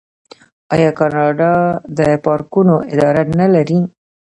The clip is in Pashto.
آیا کاناډا د پارکونو اداره نلري؟